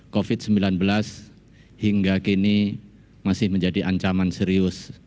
covid sembilan belas hingga kini masih menjadi ancaman serius